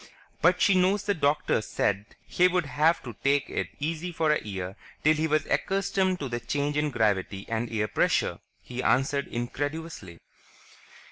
"But she knows the doctor said he'd have to take it easy for a year till he was accustomed to the change in gravity and air pressure," he answered incredulously.